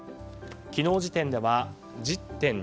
昨日時点では１０．２％。